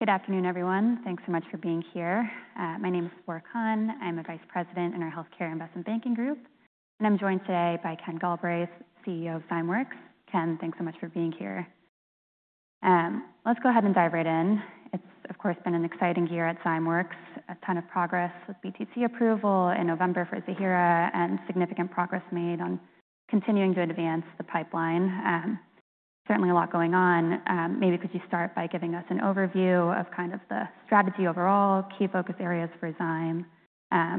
Good afternoon, everyone. Thanks so much for being here. My name is Laura Kahn. I'm a Vice President in our Healthcare Investment Banking Group, and I'm joined today by Ken Galbraith, CEO of Zymeworks. Ken, thanks so much for being here. Let's go ahead and dive right in. It's, of course, been an exciting year at Zymeworks, a ton of progress with BTC approval in November for zanidatamab and significant progress made on continuing to advance the pipeline. Certainly a lot going on. Maybe could you start by giving us an overview of kind of the strategy overall, key focus areas for Zymeworks,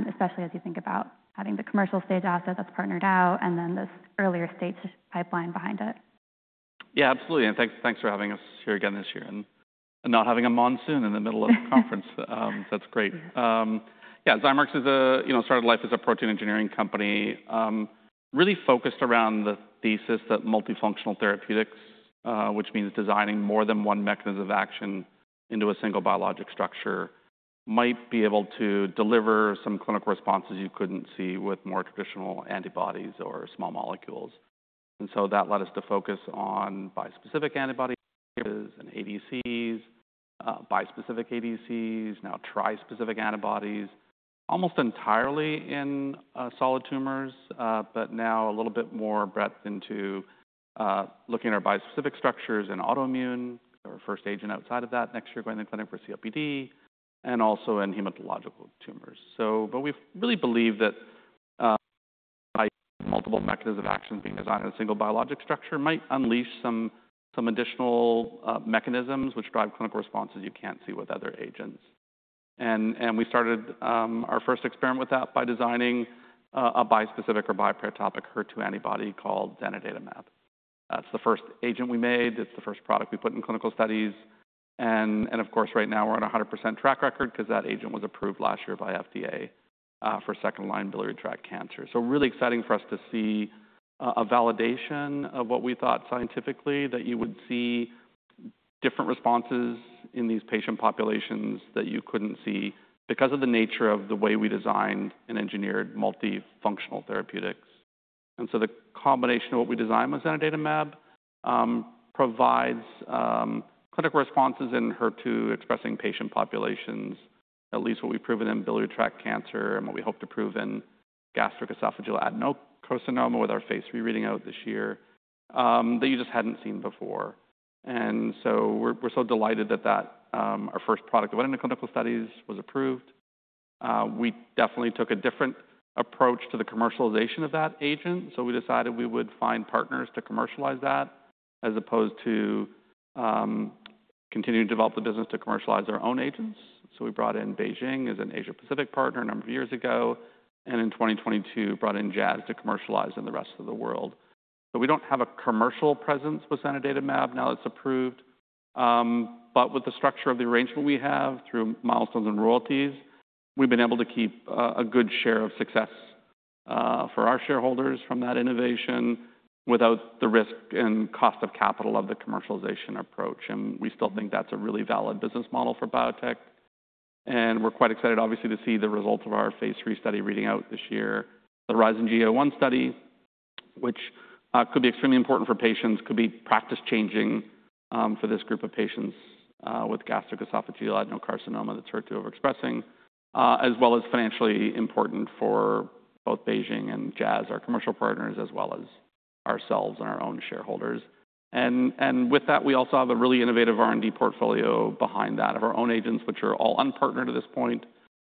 especially as you think about having the commercial stage asset that's partnered out and then this earlier stage pipeline behind it? Yeah, absolutely. Thanks for having us here again this year and not having a monsoon in the middle of a conference. That's great. Yeah, Zymeworks started life as a protein engineering company, really focused around the thesis that multifunctional therapeutics, which means designing more than one mechanism of action into a single biologic structure, might be able to deliver some clinical responses you couldn't see with more traditional antibodies or small molecules. That led us to focus on bispecific antibodies, and ADCs, bispecific ADCs, now trispecific antibodies, almost entirely in solid tumors, but now a little bit more breadth into looking at our bispecific structures and autoimmune, our first agent outside of that, next year going to the clinic for COPD, and also in hematological tumors. We really believe that multiple mechanisms of action being designed in a single biologic structure might unleash some additional mechanisms which drive clinical responses you can't see with other agents. We started our first experiment with that by designing a bispecific or biparatopic HER2 antibody called zanidatamab. That's the first agent we made. It's the first product we put in clinical studies. Of course, right now we're on a 100% track record because that agent was approved last year by FDA for second-line biliary tract cancer. Really exciting for us to see a validation of what we thought scientifically, that you would see different responses in these patient populations that you couldn't see because of the nature of the way we designed and engineered multifunctional therapeutics. The combination of what we designed with zanidatamab provides clinical responses in HER2-expressing patient populations, at least what we've proven in biliary tract cancer and what we hope to prove in gastric esophageal adenocarcinoma with our phase three reading out this year that you just hadn't seen before. We're so delighted that our first product that went into clinical studies was approved. We definitely took a different approach to the commercialization of that agent. We decided we would find partners to commercialize that as opposed to continue to develop the business to commercialize our own agents. We brought in BeiGene as an Asia-Pacific partner a number of years ago, and in 2022, brought in Jazz to commercialize in the rest of the world. We don't have a commercial presence with zanidatamab now that's approved. With the structure of the arrangement we have through milestones and royalties, we've been able to keep a good share of success for our shareholders from that innovation without the risk and cost of capital of the commercialization approach. We still think that's a really valid business model for biotech. We're quite excited, obviously, to see the results of our phase three study reading out this year, the HERIZON-GEA-01 study, which could be extremely important for patients, could be practice-changing for this group of patients with gastric esophageal adenocarcinoma that's HER2-expressing, as well as financially important for both BeiGene and Jazz, our commercial partners, as well as ourselves and our own shareholders. We also have a really innovative R&D portfolio behind that of our own agents, which are all unpartnered at this point,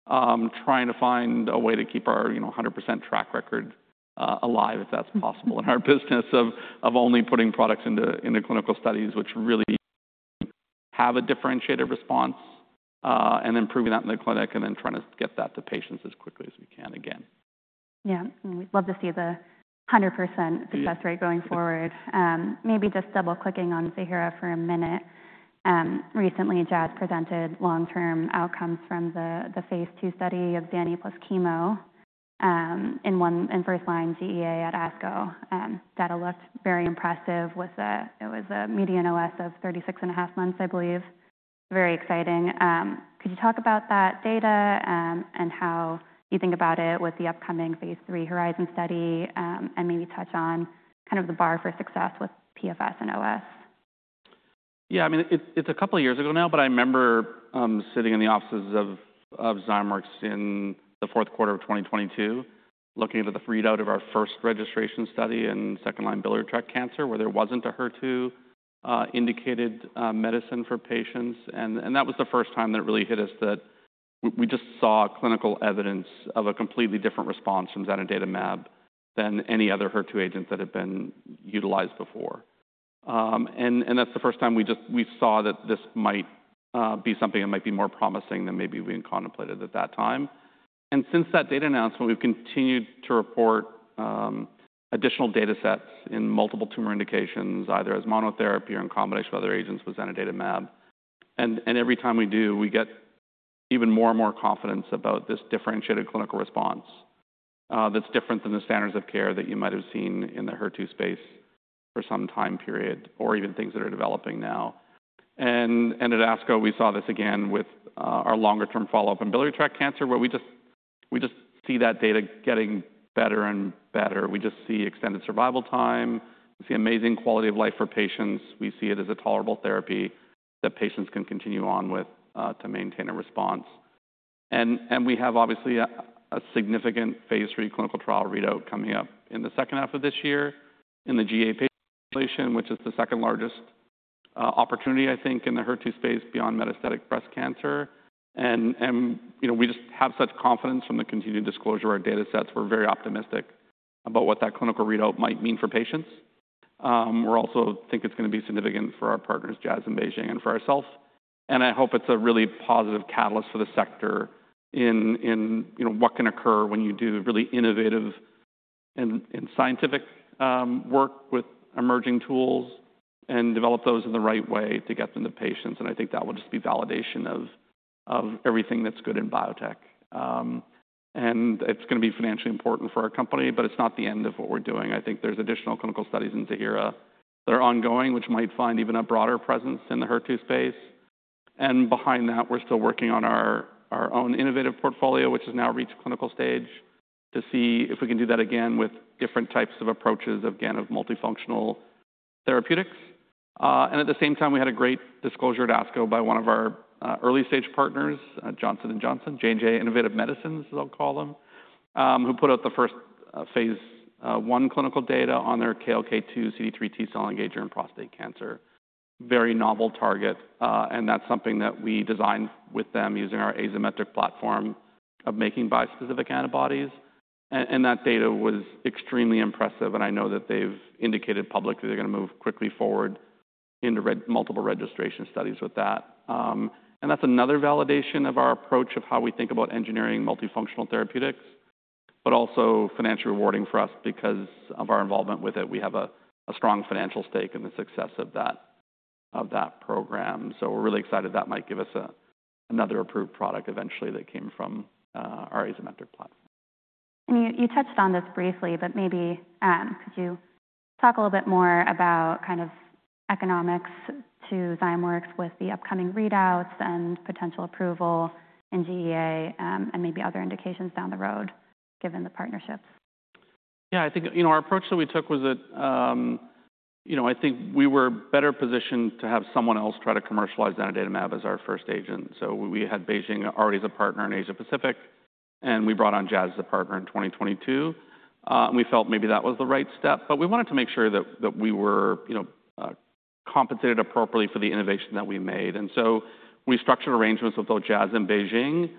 trying to find a way to keep our 100% track record alive, if that's possible in our business, of only putting products into clinical studies which really have a differentiated response and improving that in the clinic and then trying to get that to patients as quickly as we can again. Yeah, we'd love to see the 100% success rate going forward. Maybe just double-clicking on Ziihera for a minute. Recently, Jazz presented long-term outcomes from the phase two study of DNA plus chemo in first-line GEA at ASCO. Data looked very impressive. It was a median OS of 36 and a half months, I believe. Very exciting. Could you talk about that data and how you think about it with the upcoming phase three Horizon study and maybe touch on kind of the bar for success with PFS and OS? Yeah, I mean, it's a couple of years ago now, but I remember sitting in the offices of Zymeworks in the fourth quarter of 2022, looking at the readout of our first registration study in second-line biliary tract cancer where there wasn't a HER2-indicated medicine for patients. That was the first time that it really hit us that we just saw clinical evidence of a completely different response from zanidatamab than any other HER2 agent that had been utilized before. That's the first time we saw that this might be something that might be more promising than maybe we had contemplated at that time. Since that data announcement, we've continued to report additional data sets in multiple tumor indications, either as monotherapy or in combination with other agents with zanidatamab. Every time we do, we get even more and more confidence about this differentiated clinical response that is different than the standards of care that you might have seen in the HER2 space for some time period or even things that are developing now. At ASCO, we saw this again with our longer-term follow-up in biliary tract cancer, where we just see that data getting better and better. We just see extended survival time. We see amazing quality of life for patients. We see it as a tolerable therapy that patients can continue on with to maintain a response. We have, obviously, a significant phase three clinical trial readout coming up in the second half of this year in the GA patient population, which is the second largest opportunity, I think, in the HER2 space beyond metastatic breast cancer. We just have such confidence from the continued disclosure of our data sets. We're very optimistic about what that clinical readout might mean for patients. We also think it's going to be significant for our partners, Jazz and BeiGene, and for ourself. I hope it's a really positive catalyst for the sector in what can occur when you do really innovative and scientific work with emerging tools and develop those in the right way to get them to patients. I think that will just be validation of everything that's good in biotech. It's going to be financially important for our company, but it's not the end of what we're doing. I think there's additional clinical studies in Ziihera that are ongoing, which might find even a broader presence in the HER2 space. We're still working on our own innovative portfolio, which has now reached clinical stage to see if we can do that again with different types of approaches, again, of multifunctional therapeutics. At the same time, we had a great disclosure at ASCO by one of our early-stage partners, Johnson & Johnson, J&J Innovative Medicines, as I'll call them, who put out the first phase one clinical data on their KLK2-CD3 T cell engager in prostate cancer, very novel target. That's something that we designed with them using our Azymetric platform of making bispecific antibodies. That data was extremely impressive. I know that they've indicated publicly they're going to move quickly forward into multiple registration studies with that. That is another validation of our approach of how we think about engineering multifunctional therapeutics, but also financially rewarding for us because of our involvement with it. We have a strong financial stake in the success of that program. We are really excited that might give us another approved product eventually that came from our Azymetric platform. I mean, you touched on this briefly, but maybe could you talk a little bit more about kind of economics to Zymeworks with the upcoming readouts and potential approval in GEA and maybe other indications down the road given the partnerships? Yeah, I think our approach that we took was that I think we were better positioned to have someone else try to commercialize zanidatamab as our first agent. We had BeiGene already as a partner in Asia-Pacific, and we brought on Jazz as a partner in 2022. We felt maybe that was the right step, but we wanted to make sure that we were compensated appropriately for the innovation that we made. We structured arrangements with both Jazz and BeiGene,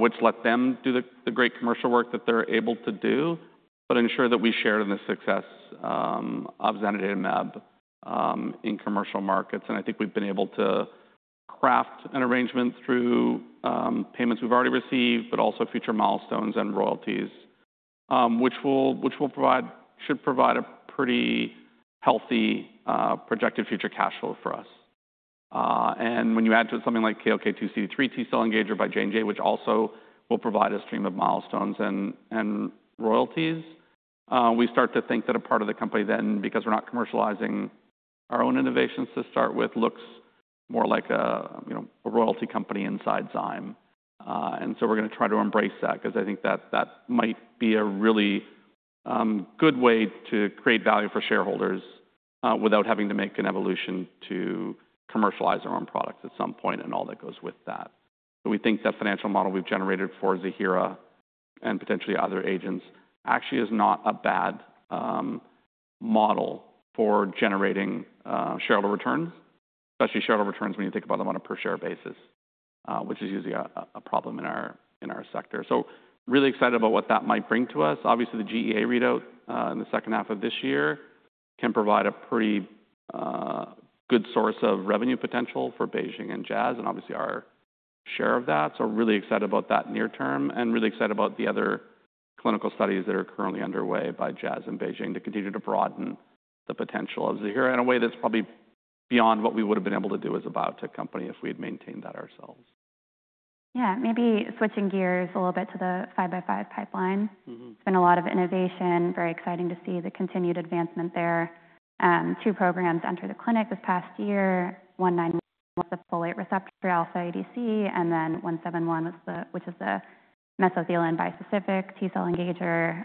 which let them do the great commercial work that they're able to do, but ensure that we shared in the success of zanidatamab in commercial markets. I think we've been able to craft an arrangement through payments we've already received, but also future milestones and royalties, which should provide a pretty healthy projected future cash flow for us. When you add to it something like KLK2-CD3 T cell engager by Johnson & Johnson, which also will provide a stream of milestones and royalties, we start to think that a part of the company then, because we're not commercializing our own innovations to start with, looks more like a royalty company inside Zymeworks. We are going to try to embrace that because I think that might be a really good way to create value for shareholders without having to make an evolution to commercialize our own products at some point and all that goes with that. We think that financial model we've generated for Ziihera and potentially other agents actually is not a bad model for generating shareholder returns, especially shareholder returns when you think about them on a per-share basis, which is usually a problem in our sector. Really excited about what that might bring to us. Obviously, the GEA readout in the second half of this year can provide a pretty good source of revenue potential for BeiGene and Jazz and obviously our share of that. Really excited about that near term and really excited about the other clinical studies that are currently underway by Jazz and BeiGene to continue to broaden the potential of Ziihera in a way that's probably beyond what we would have been able to do as a biotech company if we had maintained that ourselves. Yeah, maybe switching gears a little bit to the five-by-five pipeline. It's been a lot of innovation. Very exciting to see the continued advancement there. Two programs entered the clinic this past year. 191 was the folate receptor, also ADC, and then 171, which is the mesothelin bispecific T cell engager,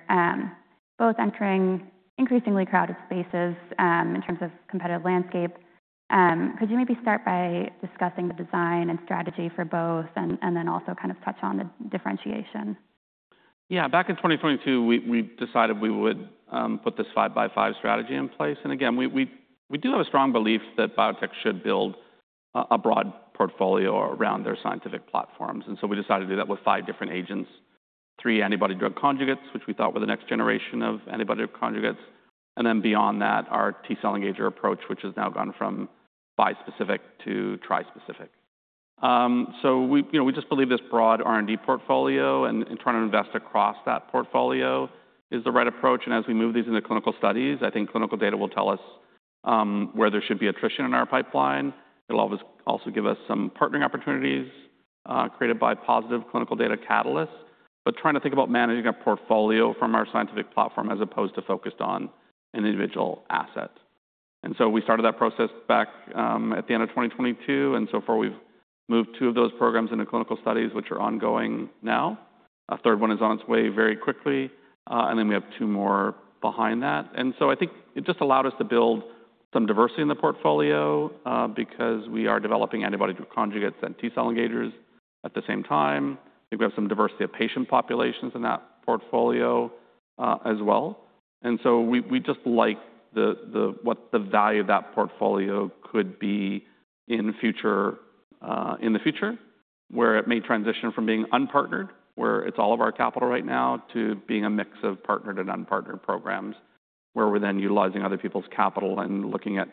both entering increasingly crowded spaces in terms of competitive landscape. Could you maybe start by discussing the design and strategy for both and then also kind of touch on the differentiation? Yeah, back in 2022, we decided we would put this five-by-five strategy in place. Again, we do have a strong belief that biotech should build a broad portfolio around their scientific platforms. We decided to do that with five different agents, three antibody drug conjugates, which we thought were the next generation of antibody drug conjugates, and then beyond that, our T cell engager approach, which has now gone from bispecific to trispecific. We just believe this broad R&D portfolio and trying to invest across that portfolio is the right approach. As we move these into clinical studies, I think clinical data will tell us where there should be attrition in our pipeline. It'll also give us some partnering opportunities created by positive clinical data catalysts, but trying to think about managing a portfolio from our scientific platform as opposed to focused on an individual asset. We started that process back at the end of 2022. So far, we've moved two of those programs into clinical studies, which are ongoing now. A third one is on its way very quickly. We have two more behind that. I think it just allowed us to build some diversity in the portfolio because we are developing antibody-drug conjugates and T cell engagers at the same time. I think we have some diversity of patient populations in that portfolio as well. We just like what the value of that portfolio could be in the future, where it may transition from being unpartnered, where it's all of our capital right now, to being a mix of partnered and unpartnered programs where we're then utilizing other people's capital and looking at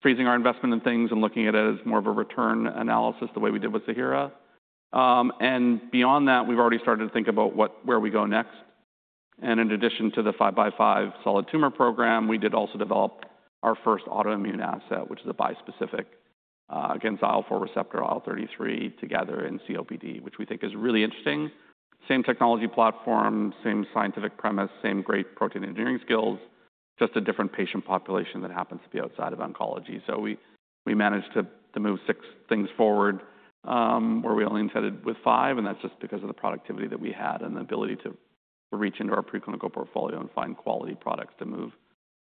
freezing our investment in things and looking at it as more of a return analysis the way we did with Ziihera. Beyond that, we've already started to think about where we go next. In addition to the five-by-five solid tumor program, we did also develop our first autoimmune asset, which is a bispecific against IL-4 receptor, IL-33, together in COPD, which we think is really interesting. Same technology platform, same scientific premise, same great protein engineering skills, just a different patient population that happens to be outside of oncology. We managed to move six things forward where we only intended with five, and that is just because of the productivity that we had and the ability to reach into our preclinical portfolio and find quality products to move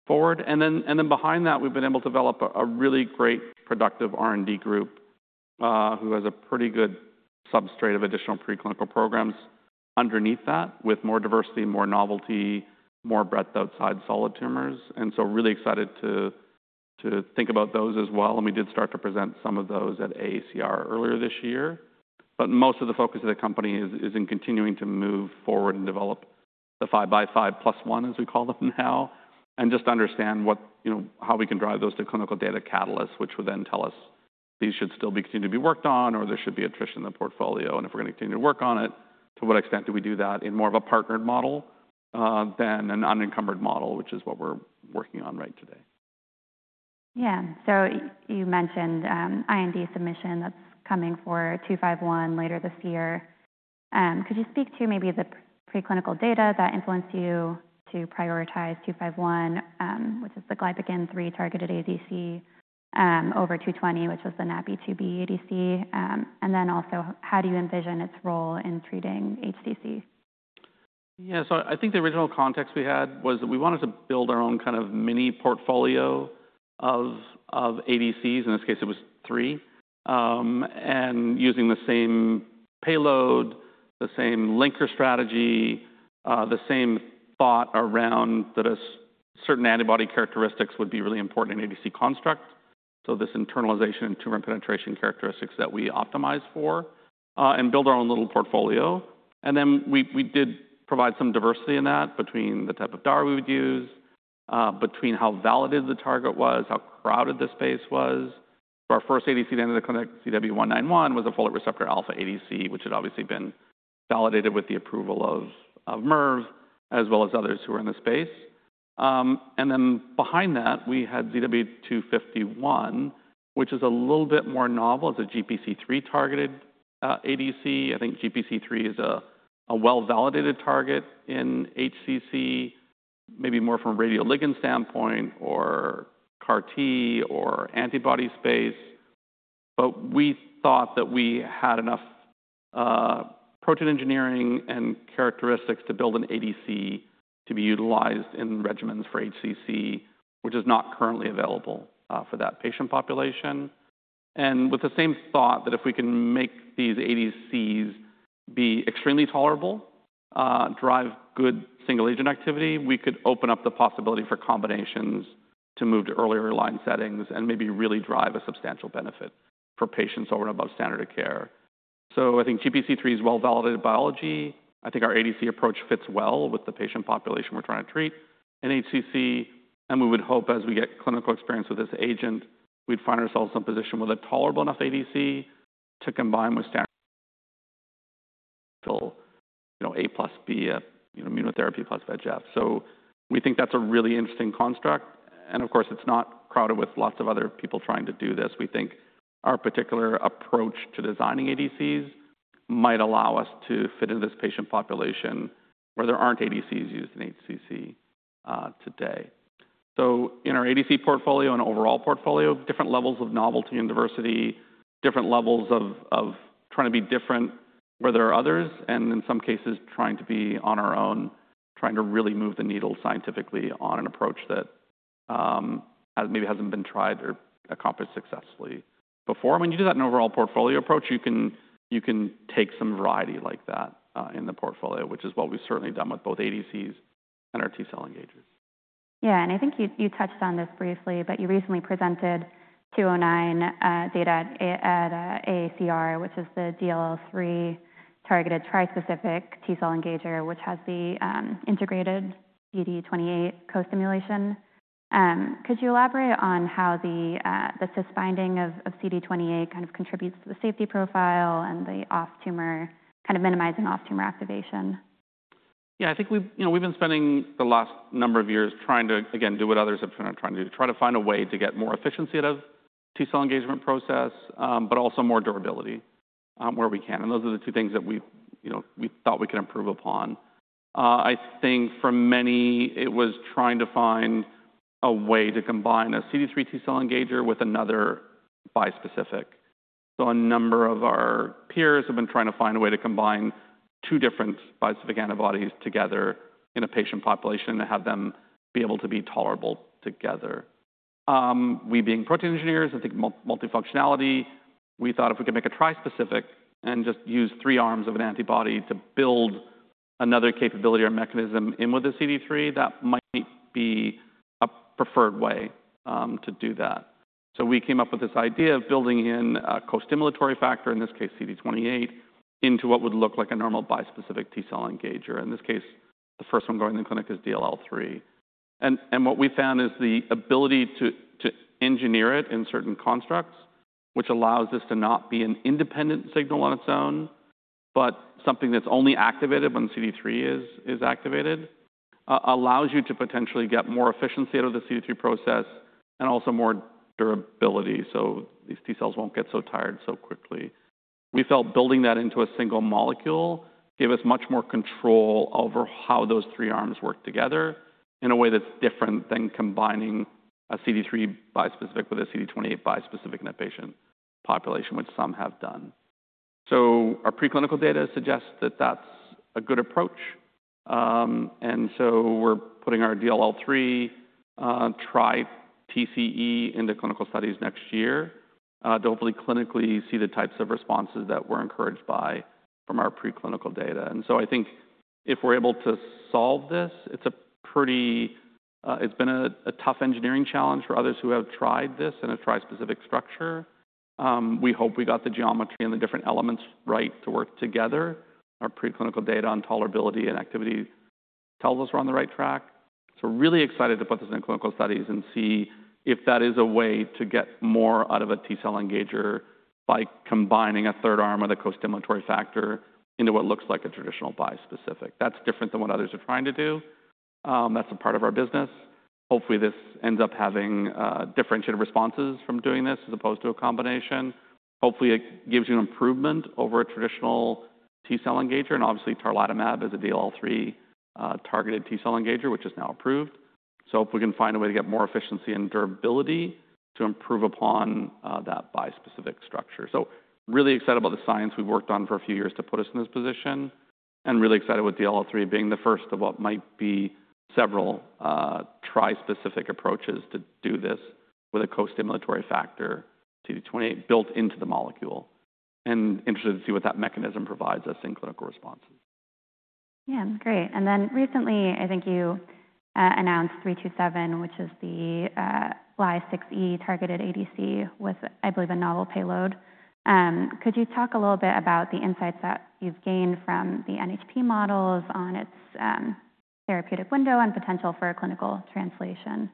forward. Behind that, we have been able to develop a really great productive R&D group who has a pretty good substrate of additional preclinical programs underneath that with more diversity, more novelty, more breadth outside solid tumors. I am really excited to think about those as well. We did start to present some of those at AACR earlier this year. Most of the focus of the company is in continuing to move forward and develop the five-by-five plus one, as we call them now, and just understand how we can drive those to clinical data catalysts, which will then tell us these should still be continued to be worked on or there should be attrition in the portfolio. If we're going to continue to work on it, to what extent do we do that in more of a partnered model than an unencumbered model, which is what we're working on right today. Yeah, so you mentioned IND submission that's coming for 251 later this year. Could you speak to maybe the preclinical data that influenced you to prioritize 251, which is the Glypican-3 targeted ADC over 220, which was the NAPI2B ADC? Also, how do you envision its role in treating HCC? Yeah, so I think the original context we had was that we wanted to build our own kind of mini portfolio of ADCs. In this case, it was three. Using the same payload, the same linker strategy, the same thought around that certain antibody characteristics would be really important in ADC construct. This internalization and tumor penetration characteristics that we optimized for and build our own little portfolio. We did provide some diversity in that between the type of DAR we would use, between how validated the target was, how crowded the space was. Our first ADC that ended up in the clinic, ZW191, was a folate receptor alpha ADC, which had obviously been validated with the approval of MERV, as well as others who were in the space. Then behind that, we had ZW251, which is a little bit more novel as a GPC3 targeted ADC. I think GPC3 is a well-validated target in HCC, maybe more from a radioligand standpoint or CAR-T or antibody space. We thought that we had enough protein engineering and characteristics to build an ADC to be utilized in regimens for HCC, which is not currently available for that patient population. With the same thought that if we can make these ADCs be extremely tolerable, drive good single-agent activity, we could open up the possibility for combinations to move to earlier line settings and maybe really drive a substantial benefit for patients over and above standard of care. I think GPC3 is well-validated biology. I think our ADC approach fits well with the patient population we're trying to treat in HCC. We would hope as we get clinical experience with this agent, we'd find ourselves in a position with a tolerable enough ADC to combine with standard A plus B immunotherapy plus VEGF. We think that's a really interesting construct. Of course, it's not crowded with lots of other people trying to do this. We think our particular approach to designing ADCs might allow us to fit into this patient population where there aren't ADCs used in HCC today. In our ADC portfolio and overall portfolio, different levels of novelty and diversity, different levels of trying to be different where there are others, and in some cases trying to be on our own, trying to really move the needle scientifically on an approach that maybe hasn't been tried or accomplished successfully before. When you do that in an overall portfolio approach, you can take some variety like that in the portfolio, which is what we've certainly done with both ADCs and our T cell engagers. Yeah, and I think you touched on this briefly, but you recently presented 209 data at AACR, which is the DLL3 targeted trispecific T cell engager, which has the integrated CD28 co-stimulation. Could you elaborate on how the cis binding of CD28 kind of contributes to the safety profile and the off tumor, kind of minimizing off tumor activation? Yeah, I think we've been spending the last number of years trying to, again, do what others have been trying to do, try to find a way to get more efficiency out of the T cell engagement process, but also more durability where we can. Those are the two things that we thought we could improve upon. I think for many, it was trying to find a way to combine a CD3 T cell engager with another bispecific. A number of our peers have been trying to find a way to combine two different bispecific antibodies together in a patient population and have them be able to be tolerable together. We, being protein engineers, I think multifunctionality, we thought if we could make a trispecific and just use three arms of an antibody to build another capability or mechanism in with the CD3, that might be a preferred way to do that. We came up with this idea of building in a co-stimulatory factor, in this case CD28, into what would look like a normal bispecific T cell engager. In this case, the first one going in the clinic is DLL3. What we found is the ability to engineer it in certain constructs, which allows this to not be an independent signal on its own, but something that's only activated when CD3 is activated, allows you to potentially get more efficiency out of the CD3 process and also more durability so these T cells won't get so tired so quickly. We felt building that into a single molecule gave us much more control over how those three arms work together in a way that's different than combining a CD3 bispecific with a CD28 bispecific in a patient population, which some have done. Our preclinical data suggests that that's a good approach. We are putting our DLL3 tri-TCE into clinical studies next year to hopefully clinically see the types of responses that were encouraged by from our preclinical data. I think if we're able to solve this, it's a pretty, it's been a tough engineering challenge for others who have tried this in a trispecific structure. We hope we got the geometry and the different elements right to work together. Our preclinical data on tolerability and activity tells us we're on the right track. Really excited to put this in clinical studies and see if that is a way to get more out of a T cell engager by combining a third arm or the co-stimulatory factor into what looks like a traditional bispecific. That is different than what others are trying to do. That is a part of our business. Hopefully, this ends up having differentiated responses from doing this as opposed to a combination. Hopefully, it gives you an improvement over a traditional T cell engager. Obviously, Tarlatamab is a DLL3 targeted T cell engager, which is now approved. If we can find a way to get more efficiency and durability to improve upon that bispecific structure. Really excited about the science we've worked on for a few years to put us in this position and really excited with DLL3 being the first of what might be several trispecific approaches to do this with a co-stimulatory factor, CD28, built into the molecule and interested to see what that mechanism provides us in clinical responses. Yeah, great. Recently, I think you announced 327, which is the LY6E-targeted ADC with, I believe, a novel payload. Could you talk a little bit about the insights that you've gained from the NHP models on its therapeutic window and potential for clinical translation?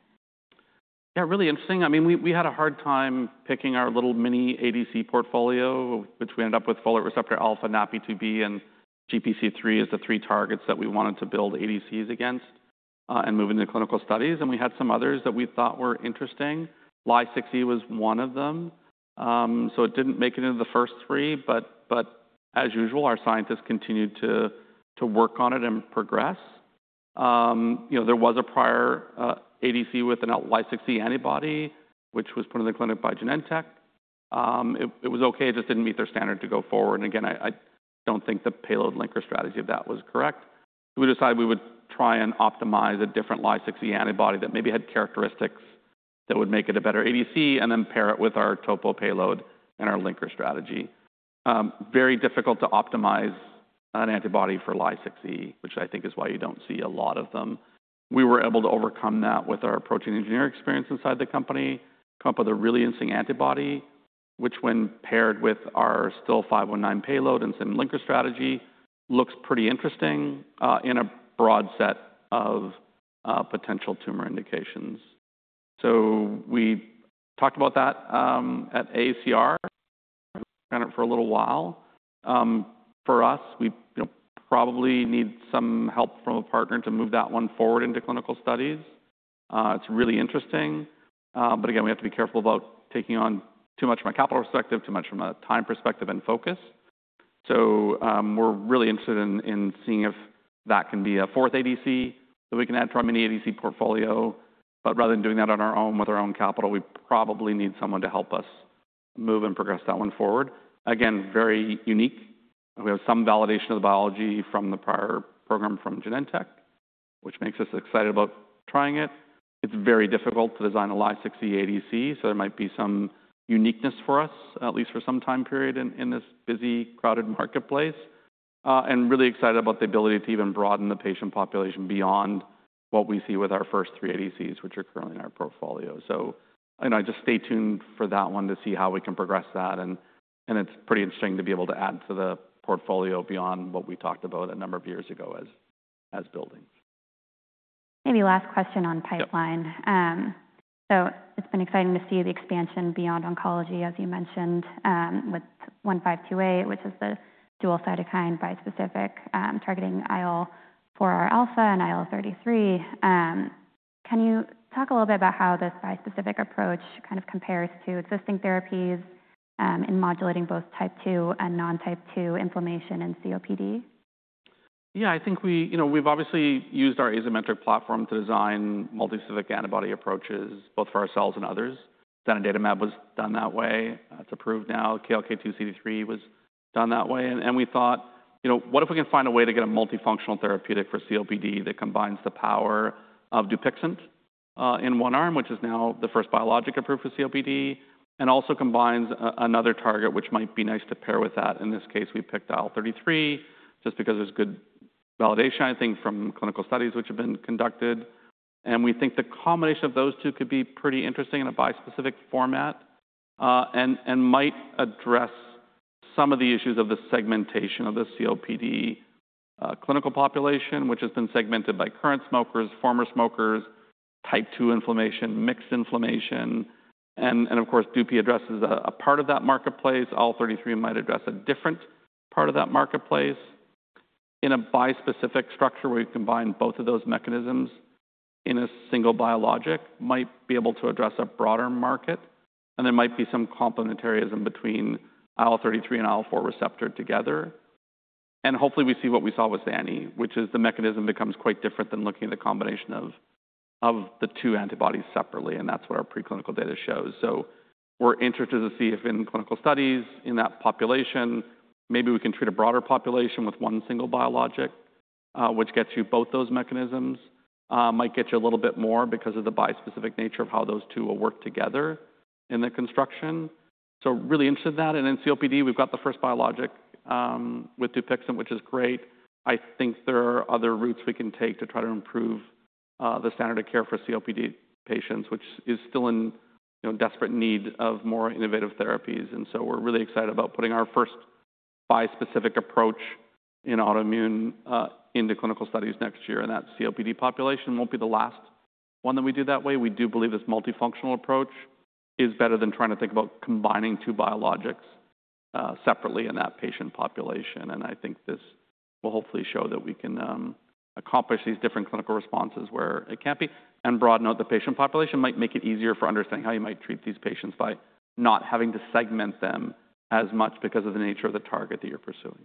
Yeah, really interesting. I mean, we had a hard time picking our little mini ADC portfolio, which we ended up with folate receptor alpha, NAPI2B, and GPC3 as the three targets that we wanted to build ADCs against and move into clinical studies. We had some others that we thought were interesting. LY6E was one of them. It did not make it into the first three, but as usual, our scientists continued to work on it and progress. There was a prior ADC with a LY6E antibody, which was put in the clinic by Genentech. It was okay. It just did not meet their standard to go forward. I do not think the payload linker strategy of that was correct. We decided we would try and optimize a different LY6E antibody that maybe had characteristics that would make it a better ADC and then pair it with our topo payload and our linker strategy. Very difficult to optimize an antibody for LY6E, which I think is why you do not see a lot of them. We were able to overcome that with our protein engineering experience inside the company, come up with a really interesting antibody, which when paired with our still 519 payload and some linker strategy, looks pretty interesting in a broad set of potential tumor indications. We talked about that at AACR for a little while. For us, we probably need some help from a partner to move that one forward into clinical studies. It is really interesting. Again, we have to be careful about taking on too much from a capital perspective, too much from a time perspective and focus. We are really interested in seeing if that can be a fourth ADC that we can add to our mini ADC portfolio. Rather than doing that on our own with our own capital, we probably need someone to help us move and progress that one forward. Again, very unique. We have some validation of the biology from the prior program from Genentech, which makes us excited about trying it. It is very difficult to design a LY6E ADC, so there might be some uniqueness for us, at least for some time period in this busy, crowded marketplace. Really excited about the ability to even broaden the patient population beyond what we see with our first three ADCs, which are currently in our portfolio. I just stay tuned for that one to see how we can progress that. It is pretty interesting to be able to add to the portfolio beyond what we talked about a number of years ago as buildings. Maybe last question on pipeline. It's been exciting to see the expansion beyond oncology, as you mentioned, with 1528, which is the dual cytokine bispecific targeting IL-4R alpha and IL-33. Can you talk a little bit about how this bispecific approach kind of compares to existing therapies in modulating both type 2 and non-type 2 inflammation and COPD? Yeah, I think we've obviously used our Azymetric platform to design multi-specific antibody approaches both for ourselves and others. Zanidatamab was done that way. It's approved now. KLK2-CD3 was done that way. We thought, what if we can find a way to get a multifunctional therapeutic for COPD that combines the power of Dupixent in one arm, which is now the first biologic approved for COPD, and also combines another target, which might be nice to pair with that. In this case, we picked IL-33 just because there's good validation, I think, from clinical studies which have been conducted. We think the combination of those two could be pretty interesting in a bispecific format and might address some of the issues of the segmentation of the COPD clinical population, which has been segmented by current smokers, former smokers, type 2 inflammation, mixed inflammation. Of course, Dupi addresses a part of that marketplace. IL-33 might address a different part of that marketplace. In a bispecific structure where you combine both of those mechanisms in a single biologic, might be able to address a broader market. There might be some complementarism between IL-33 and IL-4 receptor together. Hopefully, we see what we saw with Zani, which is the mechanism becomes quite different than looking at the combination of the two antibodies separately. That is what our preclinical data shows. We are interested to see if in clinical studies in that population, maybe we can treat a broader population with one single biologic, which gets you both those mechanisms. Might get you a little bit more because of the bispecific nature of how those two will work together in the construction. Really interested in that. In COPD, we've got the first biologic with Dupixent, which is great. I think there are other routes we can take to try to improve the standard of care for COPD patients, which is still in desperate need of more innovative therapies. We are really excited about putting our first bispecific approach in autoimmune into clinical studies next year. That COPD population will not be the last one that we do that way. We do believe this multifunctional approach is better than trying to think about combining two biologics separately in that patient population. I think this will hopefully show that we can accomplish these different clinical responses where it cannot be. Broad note, the patient population might make it easier for understanding how you might treat these patients by not having to segment them as much because of the nature of the target that you're pursuing.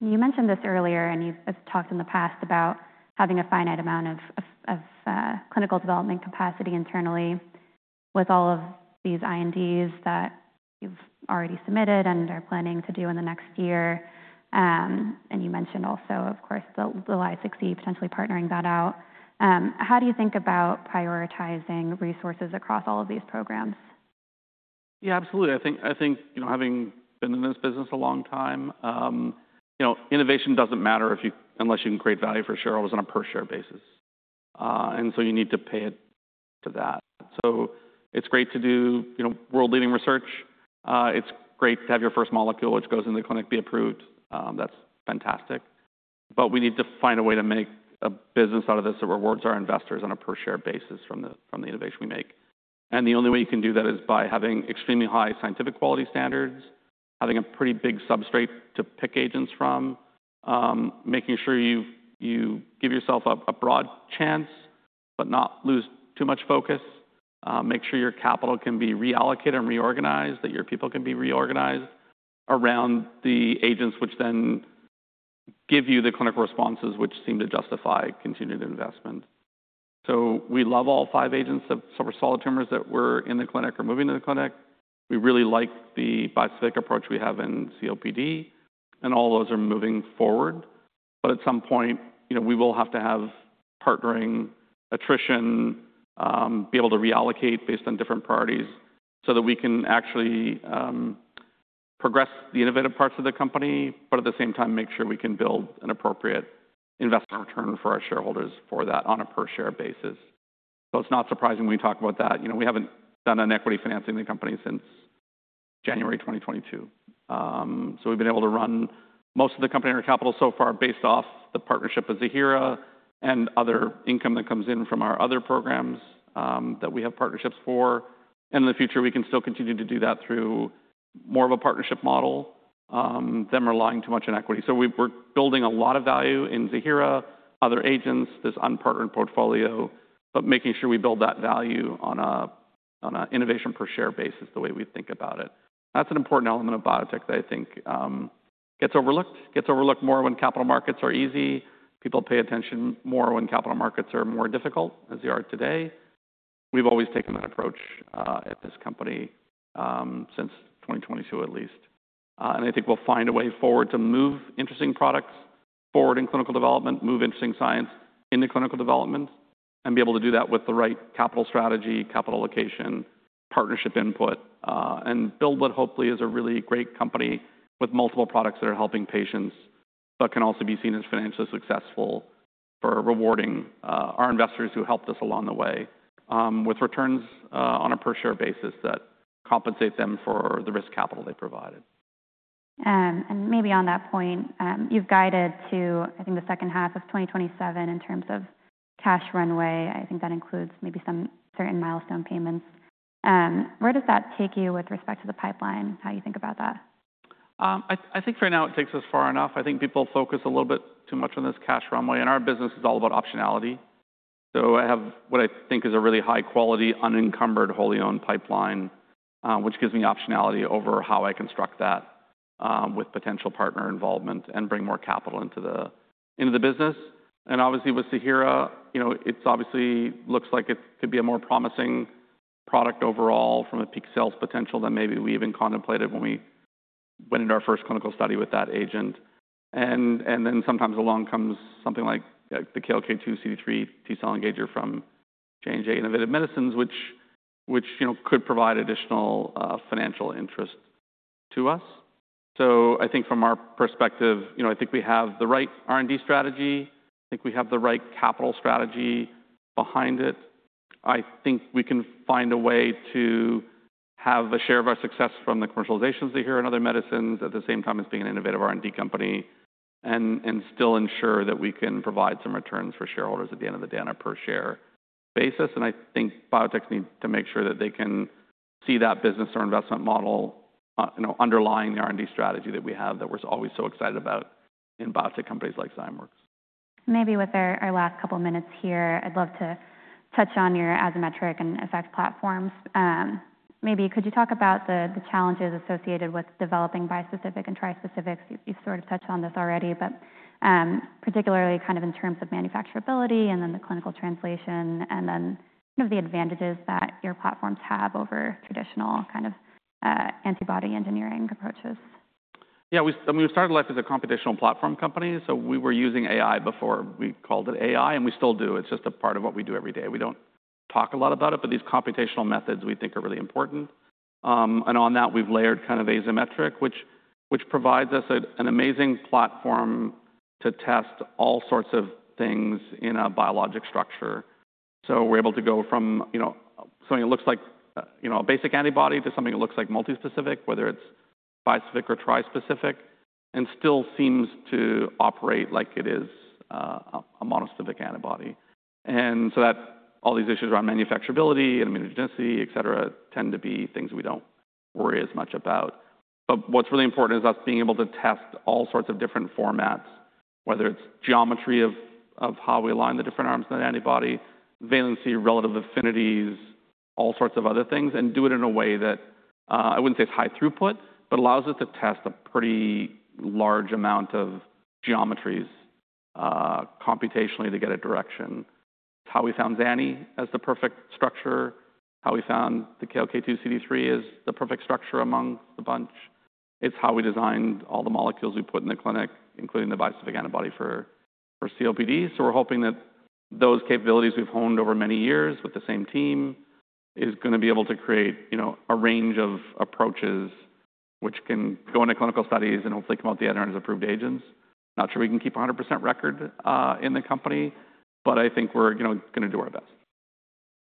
You mentioned this earlier, and you've talked in the past about having a finite amount of clinical development capacity internally with all of these INDs that you've already submitted and are planning to do in the next year. You mentioned also, of course, the LY6E potentially partnering that out. How do you think about prioritizing resources across all of these programs? Yeah, absolutely. I think having been in this business a long time, innovation does not matter unless you can create value for shareholders on a per-share basis. You need to pay attention to that. It is great to do world-leading research. It is great to have your first molecule, which goes into the clinic, be approved. That is fantastic. We need to find a way to make a business out of this that rewards our investors on a per-share basis from the innovation we make. The only way you can do that is by having extremely high scientific quality standards, having a pretty big substrate to pick agents from, making sure you give yourself a broad chance, but not lose too much focus, make sure your capital can be reallocated and reorganized, that your people can be reorganized around the agents, which then give you the clinical responses which seem to justify continued investment. We love all five agents of solid tumors that were in the clinic or moving to the clinic. We really like the bispecific approach we have in COPD, and all those are moving forward. At some point, we will have to have partnering attrition, be able to reallocate based on different priorities so that we can actually progress the innovative parts of the company, but at the same time, make sure we can build an appropriate investment return for our shareholders for that on a per-share basis. It is not surprising when you talk about that. We have not done an equity financing in the company since January 2022. We have been able to run most of the company and our capital so far based off the partnership with Zymeworks and other income that comes in from our other programs that we have partnerships for. In the future, we can still continue to do that through more of a partnership model than relying too much on equity. We're building a lot of value in Ziihera, other agents, this unpartnered portfolio, but making sure we build that value on an innovation per-share basis the way we think about it. That's an important element of biotech that I think gets overlooked, gets overlooked more when capital markets are easy. People pay attention more when capital markets are more difficult as they are today. We've always taken that approach at this company since 2022 at least. I think we'll find a way forward to move interesting products forward in clinical development, move interesting science into clinical development, and be able to do that with the right capital strategy, capital allocation, partnership input, and build what hopefully is a really great company with multiple products that are helping patients, but can also be seen as financially successful for rewarding our investors who helped us along the way with returns on a per-share basis that compensate them for the risk capital they provided. Maybe on that point, you've guided to, I think, the second half of 2027 in terms of cash runway. I think that includes maybe some certain milestone payments. Where does that take you with respect to the pipeline, how you think about that? I think for now, it takes us far enough. I think people focus a little bit too much on this cash runway. Our business is all about optionality. I have what I think is a really high-quality, unencumbered, wholly owned pipeline, which gives me optionality over how I construct that with potential partner involvement and bring more capital into the business. Obviously, with Ziihera, it obviously looks like it could be a more promising product overall from a peak sales potential than maybe we even contemplated when we went into our first clinical study with that agent. Sometimes along comes something like the KLK2-CD3 T cell engager from J&J Innovative Medicines, which could provide additional financial interest to us. I think from our perspective, we have the right R&D strategy. I think we have the right capital strategy behind it. I think we can find a way to have a share of our success from the commercialization of Ziihera and other medicines at the same time as being an innovative R&D company and still ensure that we can provide some returns for shareholders at the end of the day on a per-share basis. I think biotechs need to make sure that they can see that business or investment model underlying the R&D strategy that we have that we're always so excited about in biotech companies like Zymeworks. Maybe with our last couple of minutes here, I'd love to touch on your Azymetric and Effector platforms. Maybe could you talk about the challenges associated with developing bispecific and trispecifics? You've sort of touched on this already, but particularly kind of in terms of manufacturability and then the clinical translation and then kind of the advantages that your platforms have over traditional kind of antibody engineering approaches? Yeah, I mean, we started life as a computational platform company. So we were using AI before. We called it AI, and we still do. It's just a part of what we do every day. We don't talk a lot about it, but these computational methods we think are really important. On that, we've layered kind of Azymetric, which provides us an amazing platform to test all sorts of things in a biologic structure. We're able to go from something that looks like a basic antibody to something that looks like multi-specific, whether it's bispecific or trispecific, and still seems to operate like it is a monospecific antibody. All these issues around manufacturability and immunogenicity, et cetera, tend to be things we don't worry as much about. What is really important is us being able to test all sorts of different formats, whether it's geometry of how we align the different arms of that antibody, valency, relative affinities, all sorts of other things, and do it in a way that I wouldn't say is high throughput, but allows us to test a pretty large amount of geometries computationally to get a direction. It is how we found Zani as the perfect structure, how we found the KLK2-CD3 as the perfect structure among the bunch. It is how we designed all the molecules we put in the clinic, including the bispecific antibody for COPD. We are hoping that those capabilities we have honed over many years with the same team are going to be able to create a range of approaches which can go into clinical studies and hopefully come out the end as approved agents. Not sure we can keep 100% record in the company, but I think we're going to do our best.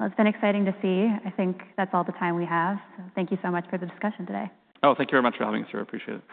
It has been exciting to see. I think that's all the time we have. Thank you so much for the discussion today. Oh, thank you very much for having us here. I appreciate it.